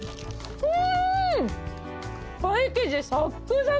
うん！